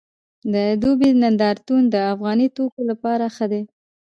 د دوبۍ نندارتون د افغاني توکو لپاره ښه دی